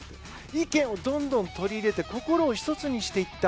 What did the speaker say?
意見をどんどん取り入れて心を一つにしていった。